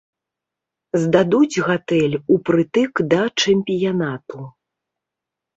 Здадуць гатэль упрытык да чэмпіянату.